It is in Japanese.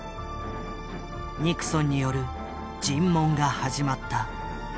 ニクソンによる尋問が始まった。